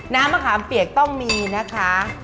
น้ำมะขามเปียกต้องมีนะคะ